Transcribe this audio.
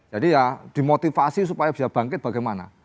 jadi ya dimotivasi supaya bisa bangkit bagaimana